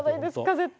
絶対。